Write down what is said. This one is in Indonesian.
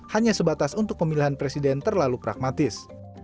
hanya sebatas untuk pemilihan presiden terlalu pragmatis